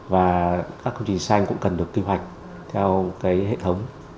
và các công trình xanh cũng cần được quy hoạch theo hệ thống